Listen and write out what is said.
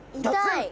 痛い。